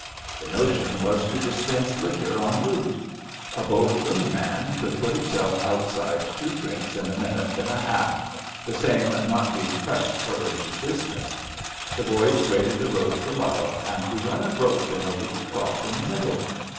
The notion was to dispense liquor en route. A Bow Flume man could put himself outside two drinks in a minute and a half, the same not being pressed for urgent business. The boys graded the road for love, and we run a rope in a little trough in the middle.